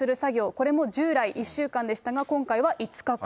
これも従来、１週間でしたが、今回は５日間。